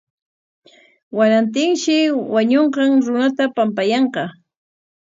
Warantinshi wañunqan runata pampayanqa.